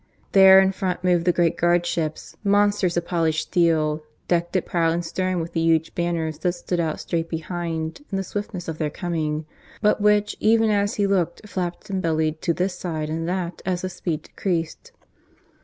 There in front moved the great guard ships, monsters of polished steel, decked at prow and stern with the huge banners that stood out straight behind in the swiftness of their coming, but which, even as he looked, flapped and bellied to this side and that as the speed decreased.